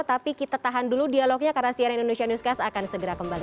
tapi kita tahan dulu dialognya karena cnn indonesia newscast akan segera kembali